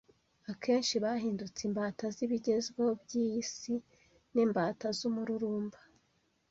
akenshi bahindutse imbata z’ibigezweho by’iyi si, n’imbata z’umururumba